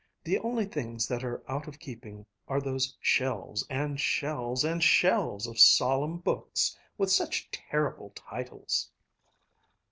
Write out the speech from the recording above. The only things that are out of keeping are those shelves and shelves and shelves of solemn books with such terrible titles!"